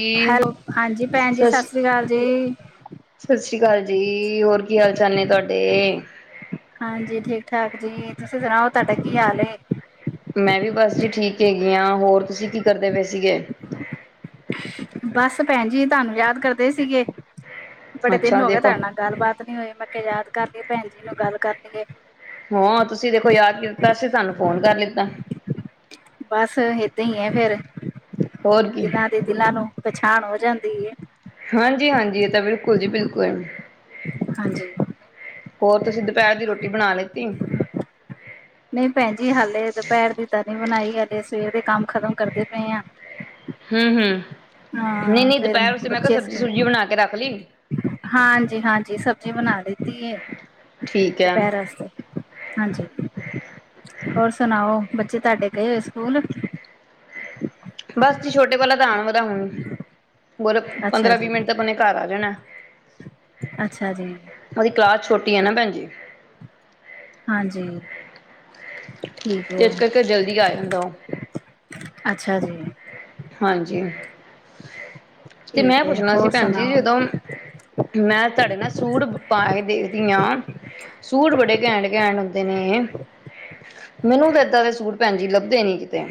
ਜੀ ਹੈਲੋ ਹਾਂਜੀ ਭੈਣ ਜੀ ਸਤਿ ਸ੍ਰੀ ਅਕਾਲ ਜੀ। ਸਤਿ ਸ੍ਰੀ ਅਕਾਲ ਜੀ ਹੋਰ ਕੀ ਹਾਲ ਚਾਲ ਨੇ ਤੁਹਾਡੇ? ਹਾਂਜੀ ਠੀਕ ਠਾਕ ਜੀ ਤੁਸੀਂ ਸੁਣਾਓ ਤੁਹਾਡਾ ਕੀ ਹਾਲ ਏ? ਮੈਂ ਵੀ ਬਸ ਜੀ ਠੀਕ ਹੈਗੀ ਆ ਹੋਰ ਤੁਸੀਂ ਕੀ ਕਰਦੇ ਪਏ ਸੀਗੇ? ਬਸ ਭੈਣ ਜੀ ਤੁਹਾਨੂੰ ਯਾਦ ਕਰਦੇ ਸੀਗੇ। ਬੜੇ ਦਿਨ ਅੱਛਾ ਹੋ ਗਏ ਦੇਖੋ ਤੁਹਾਡੇ ਨਾਲ ਗੱਲਬਾਤ ਨੀ ਹੋਈ ਮੈਂ ਕਿਹਾ ਯਾਦ ਕਰ ਲਈਏ ਭੈਣ ਜੀ ਨੂੰ ਗੱਲ ਕਰ ਲਈਏ। ਹਾਂ ਤੁਸੀਂ ਦੇਖੋ ਯਾਦ ਕੀਤਾ ਅਸੀਂ ਤੁਹਾਨੂੰ ਫੋਨ ਕਰ ਲਿੱਤਾ। ਬਸ ਏਦਾਂ ਈ ਹੈ ਫੇਰ। ਹੋਰ ਕੀ ਦਿਲਾਂ ਦਿਲਾਂ ਨੂੰ ਪਛਾਣ ਹੋ ਜਾਂਦੀ ਹੈ। ਹਾਂਜੀ-ਹਾਂਜੀ ਇਹ ਤਾਂ ਬਿਲਕੁਲ ਜੀ ਬਿਲਕੁਲ। ਹਾਂਜੀ ਹੋਰ ਤੁਸੀਂ ਦੁਪਹਿਰ ਦੀ ਰੋਟੀ ਬਣਾ ਲੀਤੀ? ਨਹੀਂ ਭੈਣ ਜੀ ਹਾਲੇ ਦੁਪਹਿਰ ਦੀ ਤਾਂ ਨਹੀਂ ਬਣਾਈ ਹਲੇੇ ਸਵੇਰ ਦੇ ਕੰਮ ਖ਼ਤਮ ਕਰਦੇ ਪਏ ਆ। ਹੂੰ-ਹੂੰ ਨਹੀਂ ਹਾਂ ਨਹੀਂ ਫੇਰ ਦੁਪਹਿਰੇ ਮੈਂ ਕਿਹਾ ਸਬਜ਼ੀ-ਸੁਬਜੀ ਬਣਾ ਕੇ ਰੱਖ ਲਈ। ਹਾਂਜੀ-ਹਾਂਜੀ ਸਬਜ਼ੀ ਬਣਾ ਲੀਤੀ ਹੈ, ਠੀਕ ਹੈ ਦੁਪਹਿਰ ਵਾਸਤੇ। ਹਾਂਜੀ, ਹੋਰ ਸੁਣਾਓ ਬੱਚੇ ਤੁਹਾਡੇ ਗਏ ਹੋਏ ਸਕੂਲ? ਬਸ ਜੀ ਛੋਟੇ ਵਾਲਾ ਤਾਂ ਆਣ ਵਾਲਾ ਹੁਣ। ਹੋਰ ਅੱਛਾ ਪੰਦਰਾਂ ਜੀ ਵੀਹ ਮਿੰਟ ਤਾਂ ਆਪਣੇ ਘਰ ਆ ਜਾਣਾ। ਅੱਛਾ ਜੀ। ਉਹਦੀ ਕਲਾਸ ਛੋਟੀ ਹੈ ਨਾ ਭੈਣ ਜੀ। ਹਾਂਜੀ। ਠੀਕ ਏਸ ਹੈ ਕਰਕੇ ਜਲਦੀ ਆ ਜਾਂਦਾ ਉਹ। ਅੱਛਾ ਜੀ। ਹਾਂਜੀ, ਤੇ ਮੈਂ ਠੀਕ ਹੈ ਪੁੱਛਣਾ ਸੀ ਹੋਰ ਭੈਣ ਜੀ ਸੁਣਾਓ ਜਦੋਂ ਮੈਂ ਤੁਹਾਡੇ ਨਾਲ ਸੂਟ ਪਾ ਕੇ ਦੇਖਦੀ ਆ ਸੂਟ ਬੜੇ ਘੈਂਟ-ਘੈਂਟ ਹੁੰਦੇ ਨੇ। ਮੈਨੂੰ ਏਦਾਂ ਦੇ ਸੂਟ ਭੈਣ ਜੀ ਲੱਭਦੇ ਨੀ ਕਿਤੇ।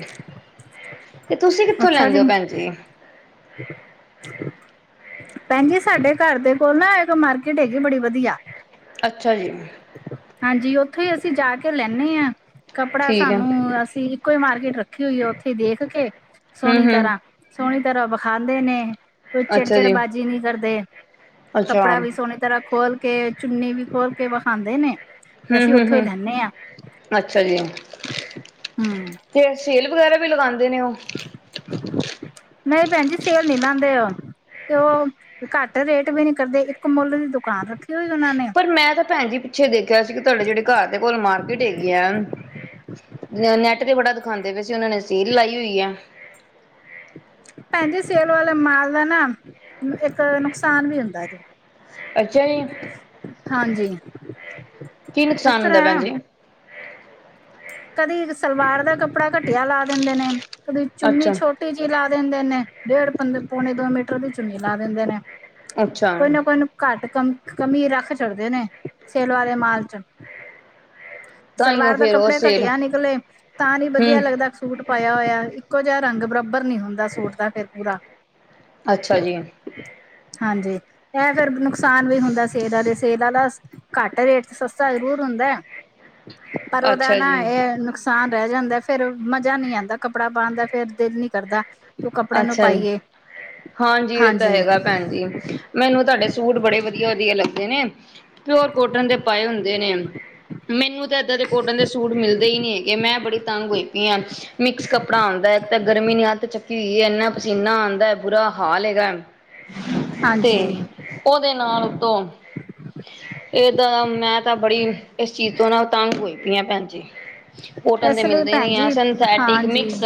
ਤੇ ਤੁਸੀਂ ਕਿੱਥੋਂ ਲੈਂਦੇ ਹੋ ਭੈਣ ਜੀ? ਭੈਣ ਜੀ ਸਾਡੇ ਘਰ ਦੇ ਕੋਲ ਨਾ ਇੱਕ ਮਾਰਕੀਟ ਹੈਗੀ ਬੜੀ ਵਧੀਆ। ਅੱਛਾ ਜੀ ਹਾਂਜੀ ਉੱਥੋਂ ਹੀ ਅਸੀਂ ਜਾ ਕੇ ਲੈਂਨੇ ਹਾਂ ਕੱਪੜਾ ਠੀਕ ਹੈ ਸਾਨੂੰ ਅਸੀਂ ਕੋਈ ਮਾਰਕੀਟ ਰੱਖੀ ਹੋਈ ਆ। ਉੱਥੇ ਦੇਖ ਕੇ ਹੂੰ ਸੋਹਣੀ ਹੂੰ ਤਰਾਂ। ਸੋਹਣੀ ਤਰਾਂ ਵਿਖਾਦੇ ਨੇ ਕੋਈ ਚਿੜ- ਅੱਛਾ ਚਿੜ ਜੀ ਬਾਾਜ਼ੀ ਨਹੀਂ ਕਰਦੇ। ਅੱਛਾ ਕੱਪੜਾ ਵੀ ਹੂੰ ਸੋਹਣੀ ਤਰਾਂ ਖੋਲ ਕੇ, ਚੁੰਨੀ ਵੀ ਖੋਲ ਕੇ ਵਿਖਾਦੇ ਨੇ। ਤੇ ਅਸੀਂ ਹੂੰ-ਹੂੰ, ਉੱਥੋਂ ਹੀ ਲੈਂਦੇ ਹਾਂ ਹੂੰ ਅੱਛਾ ਜੀ। ਹਮ ਤੇ ਸੇਲ ਵਗੈਰਾ ਵੀ ਲਗਾਉਂਦੇ ਨੇ ਉਹ। ਨਹੀਂ ਭੈਣ ਜੀ, ਸੇਲ ਨੀ ਲਾਦੇ ਉਹ। ਤੇ ਉਹ ਘੱਟ ਰੇਟ ਵੀ, ਨੀ ਕਰਦੇ ਇੱਕ ਮੁੱਲ ਦੀ ਦੁਕਾਨ ਰੱਖੀ ਹੋਈ ਉਹਨਾਂ ਨੇ। ਪਰ ਮੈਂ ਤਾਂ ਭੈਣ ਜੀ ਪਿੱਛੇ ਦੇਖਿਆ ਸੀ। ਕਿ ਤੁਹਾਡੇ ਜਿਹੜੇ ਘਰ ਦੇ ਕੋਲ ਮਾਰਕੀਟ ਹੈਗੀ ਆ। ਨੈੱਟ ਤੇ ਬੜਾ ਦਿਖਾਉਦੇ ਪਏ ਸੀ। ਉਹਨਾਂ ਨੇ ਸੇਲ ਲਾਈ ਹੋਈ ਹੈ। ਭੈਣ ਜੀ ਸੇਲ ਵਾਲੇ, ਮਾਲ ਦਾ ਨਾ ਇੱਕ ਨੁਕਸਾਨ ਵੀ ਹੁੰਦਾ ਜੇ। ਅੱਛਾ ਜੀ। ਹਾਂਜੀ, ਕੀ ਇਸ ਨੁਕਸਾਨ ਤਰਾਂ ਹੁੰਦਾ ਭੈਣ ਹੈ। ਜੀ? ਕਦੀ ਸਲਵਾਰ ਦਾ ਕੱਪੜਾ, ਘਟੀਆ ਲਾ ਦਿੰਦੇ ਨੇ ਕਦੀ ਚੁੰਨੀ ਅੱਛਾ। ਛੋ ਟੀ, ਜੀ ਲਾ ਦਿੰਦੇ ਨੇ। ਡੇਢ ਪੰ ਪੌਣੇ ਦੋ ਮੀਟਰ ਦੀ ਚੁੰਨੀ ਲਾ ਦਿੰਦੇ ਨੇ। ਅੱਛਾ ਕੋਈ ਨਾ ਕੋਈ ਨ ਘੱਟ ਕ ਕਮੀ ਰੱਖ ਛਡਦੇ ਨੇ, ਸੇਲ ਵਾਲੇ ਮਾਲ ਚ। ਤਾਂਹੀਓ ਸਲਵਾਰ ਦਾ ਫੇਰ ਉਹ ਕੱਪੜ। ਸੇਲ ਘਟੀਆ ਨਿਕਲੇ ਤਾਂ ਨੀ ਵਧੀਆ ਹੂੰ ਲੱਗਦਾ ਸੂਟ। ਪਾਇਆ ਹੋਇਆ। ਇੱਕੋ ਜਿਹਾ ਰੰਗ ਬਰਾਬਰ ਨਹੀਂ ਹੁੰਦਾ। ਸੂਟ ਦਾ ਫੇਰ ਪੂਰਾ। ਅੱਛਾ ਜੀ। ਹਾਂਜੀ ਇਹ ਫੇਰ, ਨੁਕਸਾਨ ਵੀ ਹੁੰਦਾ ਸਿਹਤ ਵਾਲੇ ਸਿਹਤ ਵਾਲਾ। ਘੱਟ ਰੇਟ ਚ ਸਸਤਾ ਜ਼ਰੂਰ ਹੁੰਦਾ। ਪਰ ਉਹਦਾ ਅੱਛਾ ਨਾ ਜੀ। ਇਹ ਨੁਕਸ। ਤਾਂ ਰਹਿ ਜਾਂਦਾ ਫੇਰ ਮਜ਼ਾ ਨਹੀਂ ਆਉਂਦਾ, ਕੱਪੜਾ ਪਾਉਣ ਦਾ ਫੇਰ ਦਿਲ ਨੀ ਕਰਦਾ। ਉਹ ਕੱਪੜੇ ਨੂੰ ਅੱਛਾ ਜੀ। ਪਾਈਏ ਹਾਂਜੀ ਇਹ ਤਾਂ ਹੈਗਾ ਭੈਣ ਜੀ। ਮੈਨੂੰ ਤੁਹਾਡੇ ਸੂਟ ਬੜੇ ਵਧੀਆ- ਵਧੀਆ ਲੱਗਦੇ ਨੇ। ਪਿਓਰ ਕੋਟਨ ਦੇ ਪਾਏ ਹੁੰਦੇ ਨੇ। ਮੈਨੂੰ ਤਾਂ ਇੱਦਾਂ ਦੇ ਕੋਟਨ ਦੇ ਸੂਟ ਮਿਲਦੇ ਹੀ ਨਹੀਂ ਹੈਗੇ। ਮੈਂ ਬੜੀ ਤੰਗ ਹੋਈ ਪਈਆਂ ਮਿਕਸ ਕੱਪੜਾਉਂਦਾ ਹੈ ਤਾਂ, ਗਰਮੀ ਨੇ ਅੱਤ ਚੱਕੀ। ਕੀ ਇੰਨਾ ਪਸੀਨਾ ਆਉਂਦਾ ਬੁਰਾ ਹਾਲ ਹੈੇਗਾ, ਹਾਂਜੀ ਤੇ। ਉਹਦੇ ਨਾਲ, ਉਤੋਂ ਏਦਾ ਮੈਂ ਤਾਂ ਬੜੀ। ਇਸ ਚੀਜ਼ ਤੋਂ, ਨਾ ਤੰਗ ਹੋਈ ਪਈਆਂ ਭੈਣ ਜੀ। ਕੋਟਨ ਦੇ ਇਸ ਲਈ ਮਿਲਦੇ ਭੈਣ ਨੀ ਆ ਜੀ, ਸਿੰਥੈਟਿਕ ਹਾਂਜੀ ਮਿਕਸ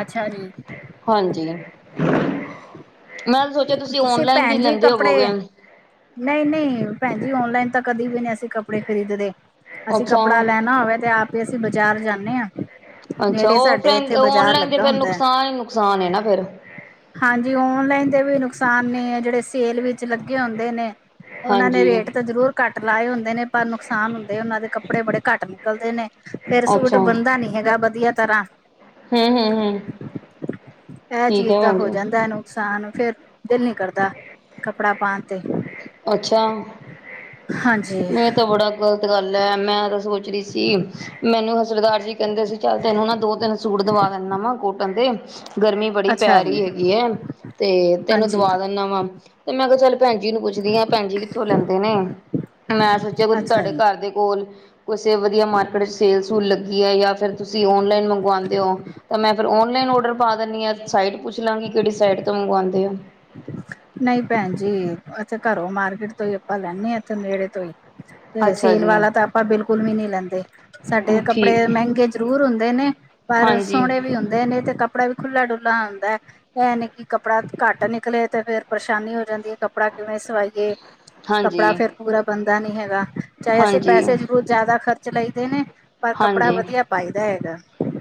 ਅੱਛਾ ਜੀ। ਹਾਂਜੀ ਮੈਂ ਸੋਚਿਆ, ਤੁਸੀਂ ਓਨਲਾਈਨ ਵੀ ਲੈਂਦੇ ਹੋਵੋਗੇ। ਨਹੀਂ- ਨਹੀਂ ਭੈਣ ਜੀ, ਔਨਲਾਈਨ ਤਾਂ ਕਦੇ ਵੀ ਨਹੀਂ, ਅਸੀਂ ਕੱਪੜੇ ਖਰੀਦਦੇ। ਅਸੀਂ ਅੱਛਾ ਕੱਪੜਾ ਲੈਣਾ ਹੋਵੇ ਤੇ, ਆਪੇ ਅਸੀਂ ਬਾਜ਼ਾਰ ਜਾਂਦੇ ਹਾਂ। ਅੱਛਾ ਔਫਲਾਈਨ ਔਨਲਾਈਨ ਤੇ, ਫੇਰ ਹੁੰਦਾ ਹੈ। ਨੁਕਸਾਨ ਹੀ ਨੁਕਸਾਨ ਨਾ ਫੇਰ। ਹਾਂਜੀ, ਓਨਲਾਈਨ ਦੇ ਵੀ ਨੁਕਸਾਨ ਨੇ, ਜਿਹੜੇ ਸੇਲ ਵਿਚ ਲੱਗੇ ਹੁੰਦੇ ਨੇ। ਉਹਨਾਂ ਨੇ ਹਾਂਜੀ ਰੇਟ ਤਾਂ ਜ਼ਰੂਰ ਘੱਟ ਲਾਏ ਹੁੰਦੇ ਨੇ। ਪਰ ਨੁਕਸਾਨ ਹੁੰਦੇ ਉਹਨਾਂ ਦੇ, ਕੱਪੜੇ ਬੜੇ ਘੱਟ ਨਿਕਲਦੇ ਨੇ। ਫੇਰ ਸੂਟ ਅੱਛਾ ਬਣਦਾ ਹੂੰ ਨੀ ਹੈਗਾ, ਵਧੀਆ ਤਰਾਂ। ਹੂੰ ਹੂੰ ਇਹ ਠੀਕ ਚੀਜ਼, ਹੈ ਤਾਂ ਭੈਣ ਹੋ ਜੀ ਜਾਂਦਾ ਇਹਨੂੰ। ਨੁਕਸਾਨ ਫੇਰ, ਦਿਲ ਨੀ ਕਰਦਾ ਕੱਪੜਾ ਪਾਉਣ ਤੇ। ਅੱਛਾ, ਹਾਂਜੀ ਮੈਂ ਤਾਂ ਬੜਾ। ਗ਼ਲਤ ਗੱਲ ਹੈ। ਮੈਂ ਉਹਦੋਂ ਸੋਚ ਰਹੀ ਸੀ, ਮੈਨੂੰ ਸਰਦਾਰ ਜੀ ਕਹਿੰਦੇ ਸੀ ਚੱਲ ਤੈਨੂੰ ਨਾ ਦੋ- ਤਿੰਨ ਸੂਟ ਦਵਾ ਦਿੰਦਾ ਵਾ ਕੋਟਨ ਦੇ, ਗਰਮੀ ਬੜੀ ਪੈ ਅੱਛਾ ਜੀ ਰਹੀ ਹੈਗੀ ਹੈ। ਤੇ ਤੈਨੂੰ ਹਾਂਜੀ ਦਵਾ ਦਿੰਦਾ ਵਾ। ਤੇ ਮੈਂ ਕਿਹਾ ਚੱਲ ਭੈਣ ਜੀ ਨੂੰ ਪੁੱਛ ਪੁਛਦੀ ਹਾ ਭੈਣ ਜੀ ਕਿੱਥੋਂ ਲੈਂਦੇ ਨੇ। ਮੈਂ ਸੋਚਿਆ ਅੱਛਾ ਤੁਹਾਡੇ ਜੀ। ਘਰ ਦੇ ਕੋਲ ਕਿਸੇ ਵਧੀਆ ਮਾਰਕੀਟ ਚ ਸੇਲ- ਸੂਲ ਲੱਗੀ ਹੈ। ਜਾਂ ਫੇਰ ਤੁਸੀਂ ਔਨਲਾਈਨ ਮੰਗਵਾਉਂਦੇ ਹੋ? ਤਾਂ ਮੈਂ ਫੇਰ, ਓਨਲਾਈਨ ਔਡਰ ਪਾ ਦਿੰਦੀ ਹਾਂ। ਸਾਈਟ ਪੁੱਛ ਲਾਂਗੀ, ਕਿਹੜੀ ਸਾਈਟ ਤੋਂ ਮੰਗਵਾਉਂਦੇ ਹੋ। ਨਹੀਂ ਭੈਣ ਜੀ, ਇੱਥੇ ਘਰੋਂ ਮਾਰਕੀਟ ਤੋਂ ਹੀ ਆਪਾਂ ਲੈਂਦੇ ਹਾਂ। ਇੱਥੇ ਨੇੜੇ ਤੋਂ ਹੀ। ਤੇ ਅੱਛਾ ਸੇਲ ਜੀ ਵਾਲਾ, ਤਾਂ ਆਪਾਂ ਬਿਲਕੁਲ ਵੀ ਨਹੀਂ ਲੈਂਦੇ। ਸਾਡੇ ਕੱਪੜੇ ਠੀਕ ਮਹਿੰਗੇ ਜ਼ਰੂਰ ਹੁੰਦੇ ਨੇ। ਪਰ ਹਾਂਜੀ ਸੋਹਣੇ ਵੀ ਹੁੰਦੇ ਨੇ ਤੇ ਕੱਪੜਾ ਵੀ ਖੁੱਲਾ- ਡੁੱਲਾ ਹੁੰਦਾ ਐ। ਇਹ ਨੀ ਕਿ ਕੱਪੜਾ ਘੱਟ ਵੇ। ਨਿਕਲੇ ਤੇ ਫੇਰ ਪਰੇਸ਼ਾਨੀ ਹੋ ਜਾਂਦੀ ਹੈ। ਕੱਪੜਾ ਕਿਵੇਂ ਸਵਾਈਏ ਕੱਪੜਾ ਹਾਂਜੀ ਫੇਰ। ਪੂਰਾ ਬੰਦਾ ਨਹੀਂ ਹੈਗਾ। ਚਾਹੇ ਅਸੀਂ ਹਾਂਜੀ ਪੈਸੇ ਜ਼ਰੂਰ ਜ਼ਿਆਦਾ ਖ਼ਰਚ ਲਈ ਦੇ ਨੇ। ਪਰ ਕੱਪੜਾ ਹਾਂਜੀ ਵਧੀਆ। ਪਾਇਦਾ ਹੈਗਾ।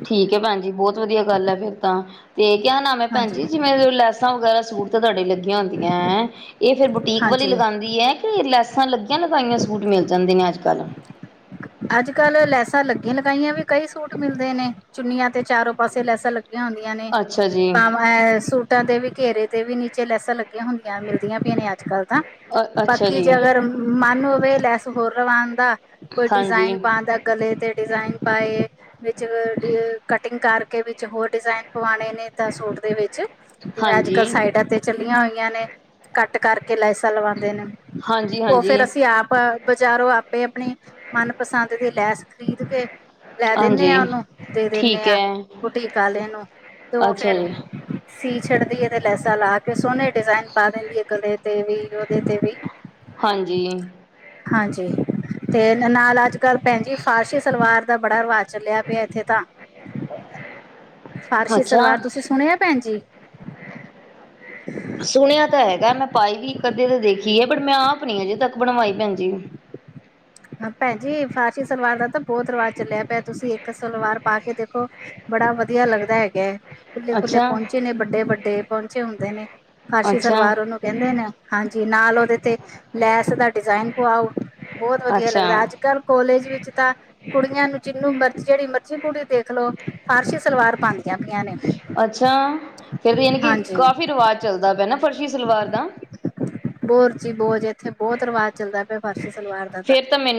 ਠੀਕ ਹੈ ਭੈਣ ਜੀ ਬਹੁਤ ਵਧੀਆ ਗੱਲ ਹੈ ਫੇਰ ਤਾਂ ਤੇ ਕਿਆ ਨਾਮ ਹੈ ਭੈਣ ਹਾਂਜੀ ਜੀ ਜਿਵੇਂ ਲੈਸ। ਲੈਸਾ ਵਗੈਰਾ ਸੂਟ ਤੇ ਤੁਹਾਡੇ ਲੱਗੀਆਂ ਹੁੰਦੀਆਂ ਐ ਫਿਰ ਬੁਟੀਕ ਵਾਲੀ ਹਾਂਜੀ ਲਗਾਉਂਦੀ ਹੈ। ਐ ਲੈਸਾਂ ਲੱਗੀਆਂ ਲਗਾਈਆਂ ਸੂਟ ਮਿਲ ਜਾਂਦੇ ਨੇ ਅੱਜ ਕੱਲ। ਅੱਜ ਕੱਲ ਲੈਸਾਂ ਲੱਗੀ ਲਗਾਈਆਂ ਵੀ ਕਈ ਸੂਟ ਮਿਲਦੇ ਨੇ ਚੁੰਨੀਆਂ ਤੇ ਚਾਰੋਂ ਪਾਸੇ ਲੈਸਾਂ ਲ ਹੁੰਦੀਆਂ ਨੇ ਅੱਛਾ ਜੀ ਬਵ ਸ ਸੂਟਾ ਦੇ ਵੀ ਘੇਰੇ ਤੇ ਵੀ ਨੀਚੇ ਲੈਸਾਂ ਲੱਗੀਆਂ ਹੁੰਦੀਆਂ ਮਿਲਦੀਆਂ ਪਈ ਨੇ ਅੱਜ ਕੱਲ੍ਹ ਤਾਂ। ਅ ਅੱਛਾ ਬਾਕੀ ਜੀ ਜੇ ਅਗਰ ਮਨ ਹੋਵੇ ਲੈਸ ਹੋਰ ਲਵਾਨ ਦਾ ਕੋਈ ਹਾਂਜੀ ਐਦਾ ਗਲੇ ਤੇ ਡਿਜ਼ਾਇਨ ਪਾਏ ਵਿੱਚ ਕਟਿੰਗ ਕਰਕੇ ਵਿੱਚ ਹੋਰ ਡਿਜ਼ਾਇਨ ਪਵਾਣੇ ਨੇ ਤਾਂ ਸੂਟ ਦੇ ਵਿੱਚ ਜਿਵੇਂ ਅੱਜ ਹਾਂਜੀ ਕੱਲ੍ਹ ਸਾਈਡਾਂ ਤੇ ਚੱਲੀਆਂ ਹੋਈਆਂ ਨੇ ਕੱਟ ਕਰਕੇ ਲੈਸਾਂ ਲਵਾਉਂਦੇ ਨੇ। ਹਾਂਜੀ ਉਹ ਹਾਂਜੀ ਫੇਰ ਅਸੀਂ ਆਪ ਬਜ਼ਾਰੋ ਆਪੇ ਆਪਣੀ ਮਨਪਸੰਦ ਦੀ ਲੈਸ ਖਰੀਦ ਕੇ ਲੈ ਦੇਣੇ ਆ ਹਾਂਜੀ ਉਹਨੂੰ ਦੇ ਦੇਣੇ ਠੀਕ ਆ ਹੈ ਬੁਟੀਕ ਵਾਲੇ ਨੂੰ ਤੇ ਉਹ ਅੱਛਾ ਫੇਰ ਜੀ ਸੀ ਛੱਡਦੀ ਤੇ ਲੈਸਾ ਲਾ ਕੇ ਸੋਹਣੇ ਡਿਜ਼ਾਇਨ ਪਾ ਦਿੰਦੀ ਹੈ ਗਲੇ ਤੇ ਵੀ ਉਹਦੇ ਤੇ ਵੀ। ਹਾਂਜੀ। ਹਾਂਜੀ, ਤੇ ਨਾਲ ਅੱਜ। ਅਜਕਲ ਭੈਣਜੀ ਫਾਰਸ਼ੀ ਸਲਵਾਰ ਦਾ ਬੜਾ ਰਿਵਾਜ਼ ਚੱਲਿਆ ਪਿਆ ਇੱਥੇ ਤਾਂ। ਫਾਰਸ਼ੀ ਅੱਛਾ ਸਲਵਾਰ ਤੁਸੀਂ ਸੁਣਿਆ ਭੈਣ ਜੀ। ਸੁਣਿਆ ਤਾਂ ਹੈਗਾ ਮੈਂ ਪਾਈ ਵੀ ਇਕ ਅਧੇ ਤੇ ਦੇਖੀ ਹੈ ਪਰ ਮੈਂ ਆਪ ਨੀ ਅਜੇ ਤੱਕ ਬਣਵਾਈ ਭੈਣ ਜੀ। ਹ ਭੈਣਜੀ ਫਾਰਸੀ ਸਲਵਾਰ ਦਾ ਤਾਂ ਬਹੁਤ ਰਿਵਾਜ਼ ਚੱਲਿਆ ਪਿਆ ਤੁਸੀਂ ਇੱਕ ਸਲਵਾਰ ਪਾ ਕੇ ਦੇਖੋ। ਬੜਾ ਵਧੀਆ ਲੱਗਦਾ ਹੈਗਾ ਖੁੱਲੇ ਖੁੱਲੇ ਅੱਛਾ ਪੌਨਚੇ ਨੇ ਵੱਡੇ ਵੱਡੇ ਪੌਨਚੇ ਹੁੰਦੇ ਨੇ ਫਾਰਸੀ ਅੱਛਾ, ਸਲਵਾਰ ਉਹਨੂੰ ਕੈਂਦੇ ਨੇ ਹਾਂਜੀ ਨਾਲ ਓਦੇ ਤੇ ਲੈਸ ਦਾ ਡਿਜ਼ਾਇਨ ਪਵਾਓ ਬੋਤ ਵਦੀਆ ਅੱਛਾ, ਲੱਗਦੈ ਅੱਜ ਕੱਲ ਕਾੱਲੇਜ ਵਿੱਚ ਤਾ ਕੁੜੀਆਂ ਨੂੰ ਜਿਨੂੰ ਮਰਜ਼ੀ, ਜੇੜੀ ਮਰਜ਼ੀ ਕੁੜੀ ਦੇਖਲੋ ਫਾਰਸ਼ੀ ਸਲਵਾਰ ਪਾਂਦੀਆਂ ਪਿਆਂ ਨੇ। ਅੱਛਾ, ਫੇਰ ਯਾਨੀ ਕਿ ਹਾਂਜੀ ਕਾਫ਼ੀ ਰਿਵਾਜ਼ ਚੱਲਦਾ ਪਯੈ ਨਾ, ਫਰਸ਼ੀ ਸਲਵਾਰ ਦਾ [unintelligible] ਇੱਥੇ ਬੋਤ ਰਵਾਜ ਚੱਲਦਾ ਪਯੈ ਫਾਰਸ਼ੀ ਸਲਵਾਰ ਦਾ ਤਾ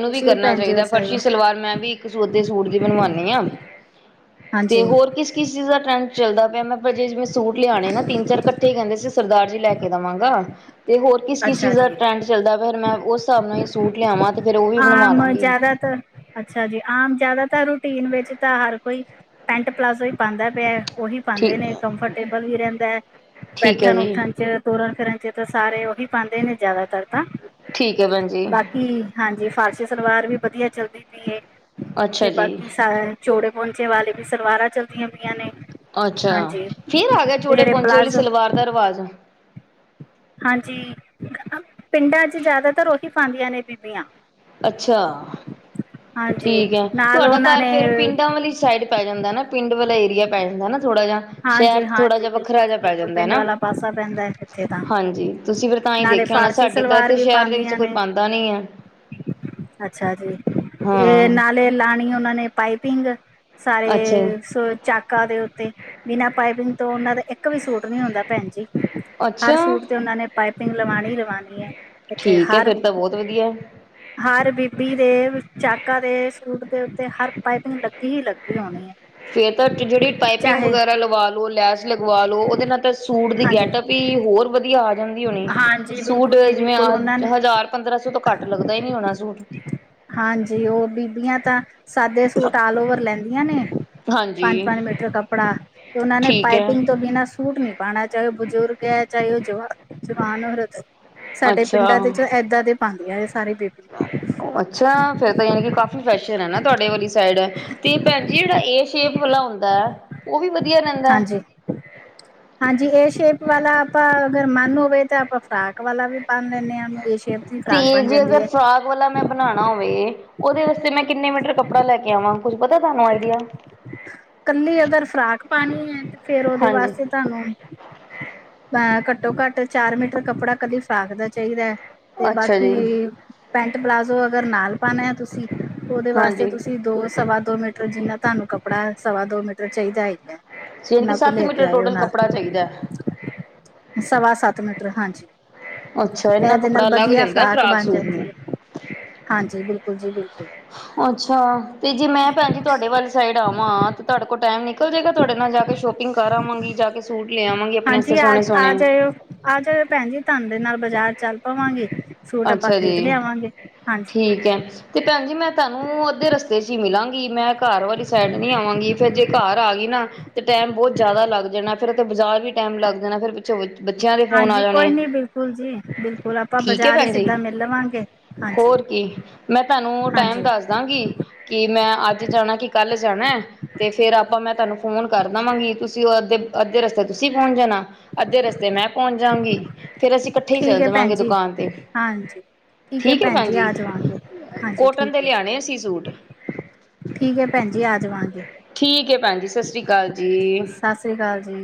ਤੁਸੀ ਵੀ ਪੈਨਜੀ ਸਵਾਲੋ। ਪਰ ਮੈਂ ਵੀ ਇੱਕ ਸੂਦੇ ਸੂਟ ਦੀ ਬਨਵਾਨੀ ਆਂ ਤੇ ਹਾਂਜੀ ਹੋਰ ਕਿਸ ਕਿਸ ਚੀਜ਼ ਦਾ ਟਰੈਂਡ ਚੱਲਦਾ ਪਇਆ ਮੈਂ ਸੂਟ ਲਿਆਣੇ ਨੇ ਤਿੰਨ-ਚਾਰ ਇਕੱਠੇ ਕੈਂਦੇ ਸੀ ਸਰਦਾਰ ਜੀ ਲੈ ਕੇ ਦਵਾਂਗਾ। ਤੇ ਹੋਰ ਕਿਸ, ਕਿਸ ਅੱਛਾ ਚੀਜ਼ ਦਾ ਜੀ ਟਰੈਂਡ ਚੱਲਦਾ ਪਿਯੈ, ਫੇਰ ਮੈਂ ਓਸ ਸਾਬ ਨਾਲ ਈ ਸੂਟ ਲਿਆਵਾਂ। ਤੇ ਫੇਰ ਉਹ ਵੀ ਹਾਂ, ਬਣਵਾ ਮ ਲਾਂਗੀ। ਜਾਦਾਤਰ ਅੱਛਾ ਜੀ, ਆਮ ਜਾਦਾਤਰ ਰੂਟੀਨ ਵਿੱਚ ਤਾ ਹਰ ਕੋਈ ਪੈਂਟ ਪਲਾਜ਼ੋ ਈ ਪਾਂਦਾ ਪਯੈ ਓਹੀ ਪਾਂਦੇ ਠੀਕ, ਨੇ, ਕੰਫਰਟੇਬਲ ਵੀ ਰੈਂਦੈ ਠੀਕ ਹੈ ਜੀ, ਬੈਠਨ-ਉੱਠਨ ਚ ਤੁਰਨ, ਫਿਰਨ ਚ ਤਾ ਸਾਰੇ ਓਹੀ ਪਾਂਦੇ ਨੇ ਜਾਦਾਤਰ ਤਾ, ਠੀਕ ਹੈ ਭੈਣ ਜੀ, ਬਾਕੀ ਹਾਂਜੀ, ਫ਼ਾਰਸੀ ਸਲਵਾਰ ਵੀ ਵਦੀਆ ਚੱਲਦੀ ਪਿਏ, ਅੱਛਾ ਤੇ ਜੀ। ਬਾਕੀ ਸਾ ਚੌੜੇ ਪੋਂਚੇ ਵਾਲੀ ਵੀ ਸਲਵਾਰਾ ਚੱਲਦੀਆਂ ਪਿਆਂ ਨੇ। ਅੱਛਾ, ਹਾਂਜੀ। ਫੇਰ ਆ ਗਿਯਾ ਤੇ ਚੌੜੇ ਜਿਹੜੇ ਪੋਂਚੇ ਆਲੀ ਪਲਾਜ਼ੋ ਸਲਵਾਰ ਦਾ ਰਵਾਜ਼? ਹਾਂਜੀ, ਪਿੰਡਾਂ ਚ ਜਾਦਾਤਰ ਓਹੀ ਪਾਂਦੀਆਂ ਨੇ ਬੀਬੀਆਂ। ਅੱਛਾ ਹਾਂਜੀ ਠੀਕ ਹੈ ਨਾਲ ਤੁਹਾਡਾ ਉਹਨਾਂ ਘਰ ਫੇਰ ਨੇ ਪਿੰਡਾਂ ਵਾਲੀ ਸਾਈਡ ਪੈ ਜਾਂਦਾ ਨਾ ਪਿੰਡ ਵਾਲਾ ਏਰੀਆ ਪੈ ਜਾਂਦਾ ਨਾ ਥੋੜਾ ਜਿਹਾ। ਸ਼ਹਿਰ ਚ ਥੋੜਾ ਹਾਂਜੀ-ਹਾਂਜੀ, ਜਿਹਾ ਬਿਲਕੁਲ ਵੱਖਰਾ ਜਿਹਾ ਜੀ ਪੈ ਬਿਲਕੁਲ ਜਾਂਦਾ ਪਿੰਡ ਹੈਨਾ ਵਾਲਾ ਪਾਸਾ ਪੈਂਦਾ ਹੈ ਇੱਥੇ ਤਾਂ। ਹਾਂਜੀ। ਤੁਸੀਂ ਫੇਿਰ ਤਾਂ ਹੀ ਨਾਲੇ ਦੇਖਿਆ ਹੋਣਾ ਫਾਰਸੀ ਸਾਡੇ ਤਾਂ ਸਲਵਾਰ ਇੱਥੇ ਵੀ ਸ਼ਹਿਰ ਦੇ ਵਿੱਚ ਪਾਦੀਆਂ ਕੋਈ ਨੇ, ਪਾਉਂਦਾ ਨੀ ਹੈ। ਅੱਛਾ ਜੀ, ਏ ਹਾਂ ਨਾਲੇ ਲਾਣੀ ਓਨਾਂ ਨੇ ਪਾਈਪਿੰਗ। ਅੱਛਾ ਸਾਰੇ ਸੋ ਚਾਕਾਂ ਦੇ ਉੱਤੇ ਬਿਨਾ ਪਾਈਪਿੰਗ ਤੋ ਓਨਾਂ ਦੇ ਇੱਕ ਵੀ ਸੂਟ ਨੀ ਹੁੰਦਾ ਪੈਨਜੀ ਹਰ ਅੱਛਾ ਸੂਟ ਤੇ ਓਨਾਂ ਨੇ ਪਾਈਪਿੰਗ ਲਵਾਨੀ ਈ ਲਵਾਨੀ ਏ। ਇੱਥੇ ਠੀਕ ਹੈ ਹਰ ਫਿਰ ਤਾਂ ਬਹੁਤ ਵਧੀਆ ਹਰ ਬੀਬੀ ਦੇ ਚਾਕਾ ਦੇ ਸੂਟ ਦੇ ਉੱਤੇ, ਹਰ ਪਾਈਪਿੰਗ ਲੱਗੀ ਹੀ ਲੱਗੀ ਹੋਨੀ ਏ। ਫੇਰ ਤਾ ਕਿਡਰੀ ਪਾਈਪਿੰਗ ਵਗੈਰਾ ਲਵਾ ਲੋ, ਲੈਸ ਲਗਵਾ ਲੋ, ਓਦੇ ਨਾਲ ਤਾ ਸੂਟ ਦੀ ਹਾਂਜੀ, ਗੇਟਪ ਵੀ ਹੋਰ ਵਦੀਆ ਜਾਂਦੀ ਹੋਨੀ, ਹਾਂਜੀ ਸੂਟ ਬਿਲਕੁਲ ਜੀ ਜਿਵੇਂ ਬਿਲਕੁਲ ਉਹਨਾਂ ਨੇ ਹ ਹਜ਼ਾਰ-ਪੰਦਰਾਂ ਸੌ ਤੋ ਘੱਟ ਲੱਗਦਾ ਈ ਨੀ ਹੋਨਾ ਸੂਟ ਹਾਂਜੀ, ਓ ਬੀਬੀਆਂ ਤਾਂ ਸਾੱਦੇ ਸੂਟ ਆਲ ਓਵਰ ਲੈਂਦੇ। [unintelligible] ਨੇ ਪੰਜ-ਪੰਜ ਹਾਂਜੀ ਮੀਟਰ ਕੱਪੜਾ, ਤੇ ਓਨਾਂ ਨੇ ਠੀਕ ਹੈ ਪਾਈਪਿੰਗ ਤੋ ਬਿਨਾ ਸੂਟ ਨੀ ਪਾਨਾ ਚਾਏ ਓ ਬਜ਼ੁਰਗ ਐ, ਚਾਏ ਓ ਜਵਾਨ ਜਵਾਨ ਔਰਤ ਐ। ਸਾਡੇ ਅੱਛਾ, ਪਿੰਡਾਂ ਦੇ ਚ ਐੱਦਾ ਦੇ ਪਾਂਦੀਆਂ ਏ ਸਾਰੀ ਬੀਬੀਆਂ। ਅੱਛਾ, ਫੇਰ ਤਾ ਯਾਨੀ ਕਿ ਕਾਫੀ ਫੈਸ਼ਰ ਐਨਾ ਤੁਵਾਡੇ ਵਾਲੀ ਸਾਈਡ ਤੇ ਪੈਂਜੀ ਜੇੜਾ ਏ ਸ਼ੇਪ ਵਾਲਾ ਹੁੰਦੈ, ਓ ਵੀ ਵਦੀਆ ਰੈਂਦੈ। ਹਾਂਜੀ ਹਾਂਜੀ, ਏ ਸ਼ੇਪ ਵਾਲਾ ਆਪਾ ਅਗਰ ਮੰਨ ਹੋਵੇ ਤਾ ਆਪਾ ਫਰਾਕ ਵਾਲਾ ਵੀ ਪਾਨ ਲੈਨੇ ਆ। [unintelligible] ਏ ਸ਼ੇਪ ਦੀ ਫਰਾਕ ਬਨ ਜਾਂਦੀ ਐ। ਓ ਆਲਾ ਮੈਂ ਬਨਾਨਾ ਹੋਵੇ ਓਦੇ ਵਾਸਤੇ ਮੈਂ ਕਿੰਨੇ ਮੀਟਰ ਕੱਪੜਾ ਲੈ ਕੇ ਆਵਾਂ, ਕੁੱਛ ਪਤਾ ਤਾਨੂੰ ਆਈਡੀਆ। ਕੱਲੀ ਅਗਰ ਫਰਾਕ ਪਾਨੀ ਏ, ਤੇ ਫੇਰ ਓਦੇ ਹਾਂਜੀ ਵਾਸਤੇ ਤਾਨੂੰ ਘੱਟੋ-ਘੱਟ ਚਾਰ ਮੀਟਰ ਕੱਪੜਾ ਕੱਲੀ ਫਰਾਕ ਦਾ ਚਾਈਦੈ, ਤੇ ਅੱਛਾ ਬਾਕੀ ਜੀ ਪੈਂਟ ਪਲਾਜ਼ੋ ਅਗਰ ਨਾਲ ਪਾਨੈ ਤੁਸੀ ਓਦੇ ਵਾਸਤੇ ਹਾਂਜੀ ਤੁਸੀ ਦੋ, ਸਵਾ ਦੋ ਮੀਟਰ ਜਿੰਨਾ ਤਾਨੂੰ ਕੱਪੜਾ ਸਵਾ ਦੋ ਮੀਟਰ ਚਾਹੀਦੈ ਹੈਈਗੈ। ਯਾਨੀ ਕਿ ਉਨਾਂ ਕੋਲ ਸੱਤ ਲੈ ਕੇ ਮੀਟਰ ਆਯੋ ਟੋਟਲ ਨਾਲ, ਕੱਪੜਾ ਚਾਹੀਦਾ ਹੈ। ਸਵਾ ਸੱਤ ਮੀਟਰ, ਹਾਂਜੀ। ਅੱਛਾ ਇੰਨਾ ਐਦੇ ਨਾਲ ਕੱਪੜਾ ਲੱਗ ਵਦੀਆ ਜਾਂਦਾ ਫਰਾਕ ਬੰਨ ਸੂਟ ਜਾਂਦੀ ਨੂੰ ਏ। ਹਾਂਜੀ, ਬਿਲਕੁਲ ਜੀ, ਬਿਲਕੁਲ। ਅੱਛਾ, ਤੇ ਜੇ ਮੈਂ ਪੈਂਜੀ ਤੁਵਾਡੇ ਵਾਲੀ ਸਾਈਡ ਆਵਾਂ, ਤੇ ਤਾਡੇ ਕੋਲ ਟਾਈਮ ਨਿਕ ਨਿਕਲ ਜੇਗਾ ਤੁਆਡੇ ਨਾਲ ਜਾ ਕੇ ਸ਼ੋਪਿੰਗ ਕਰ ਆਵਾਂਗੀ, ਜਾ ਕੇ ਸੂਟ ਲੈ ਆਵਾਂਗੇ ਆਪਨੇ ਆਸਤੇ ਹਾਂਜੀ ਆ ਸੋਨੇ-ਸੋਨੇ ਆ ਜਾਇਓ ਆ ਜਾਯੋ ਪੈਂਜੀ, ਤਾਂਦੇ ਨਾਲ ਬਜ਼ਾਰ ਚੱਲ ਪਵਾਂਗੀ। ਸੂਟ ਆਪਾ ਅੱਛਾ ਖਰੀਦ ਜੀ ਲਿਆਵਾਂਗੇ, ਹਾਂਜੀ। ਠੀਕ ਐਂ। ਤੇ ਪੈਂਜੀ ਮੈਂ ਤਾਨੂੰ ਅੱਧੇ ਰਸਤੇ ਚ ਈ ਮਿਲਾਂਗੀ, ਮੈਂ ਘਰ ਵਾਲੀ ਸੈਡ ਨੀ ਆਵਾਂਗੀ ਫੇਰ ਜੇ ਘਰ ਆਗੀ ਨਾ ਤੇ ਟੈਮ ਬੋਤ ਜਾਦਾ ਲੱਗ ਜਾਨੈ, ਫੇਰ ਓੱਥੇ ਬਜ਼ਾਰ ਵੀ ਟੈਮ ਲੱਗ ਜਾਨੈ ਫੇਰ [unintelligible] ਬੱਚਯਾ ਦੇ ਫੋਨ ਆ ਹਾਂਜੀ! ਕੋਈ ਜਾਣੇ ਨੀ ਬਿਲਕੁਲ ਜੀ, ਬਿਲਕੁਲ ਆਪ ਠੀਕ ਭੈਣ ਜੀ। ਹਾਂਜੀ ਹੋਰ ਕੀ ਮੈਂ ਤੁਹਾਨੂੰ ਟਾਈਮ ਹਾਂਜੀ ਦੱਸ ਕਹਾਗੀ ਕਿ ਮੈਂ ਅੱਜ ਜਾਣਾ ਕਿ ਕੱਲ ਜਾਣਾ ਤੇ ਫੇਰ ਆਪਾਂ ਮੈਂ ਤੁਹਾਨੂੰ ਫੋਨ ਕਰ ਦੇਵਾਂਗੀ। ਤੁਸੀਂ ਉਹ ਅੱਧੇ- ਅੱਧੇ ਰਸਤੇ ਤੁਸੀਂ ਪਹੁੰਚ ਜਾਣਾ ਅੱਧੇ ਰਸਤੇ ਮੈਂ ਪਹੁੰਚ ਜਾਗੀ ਫੇਰ ਅਸੀਂ ਇਕੱਠੇ ਹੀ ਠੀਕ ਚੱਲ ਹੈ ਭੈਣ ਜਾਵਾਂਗੇ ਜੀ ਦੁਕਾਨ ਤੇ ਹਾਂਜੀ! ਠੀਕ ਹੈ ਭੈਣ ਜੀ। ਆ ਜਾਵਾਂਗੇ ਹਾਂਜੀ ਕੋਟਨ ਦੇ ਠੀਕ ਹੈ। ਜੀ ਲਿਆਣੇ ਅਸੀਂ ਸੂਟ ਠੀਕ ਹੈ ਭੈਣ ਜੀ ਆ ਜਾਵਾਂਗੇ। ਠੀਕ ਹੈ ਭੈਣ ਜੀ ਸਤਿ ਸ ਸ਼੍ਰੀ ਅਕਾਲ ਜੀ ਸਤਿ੍ ਸ਼੍ਰੀ ਅਕਾਲ ਜੀ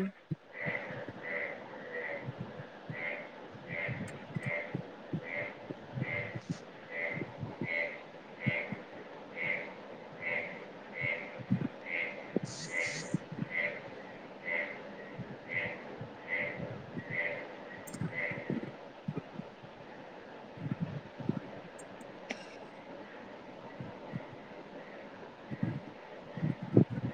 ਅ [inaudible] [unintelligible] [unintelligible]